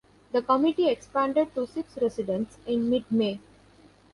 The committee expanded to six residents in mid-May.